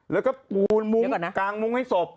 แล้วก็การมุ้งให้ศพ